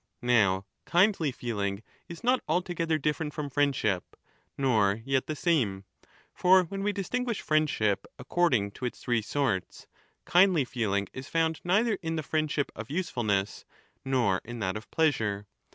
Now kindly feeling is not altogether different from friendship, nor yet the same ; for when we distinguish friendship according to its three \r"\^*i sorts, kindly Jeeling is found neither in the friendship of? \ \t^ ^<, usefulness nor in that of pleasure.